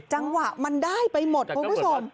จังหวะมันได้ไปหมดคุณผู้ชม